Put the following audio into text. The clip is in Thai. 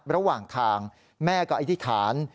ระหว่างทางแม่ก็อธิษฐาน